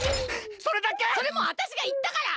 それもうわたしがいったから！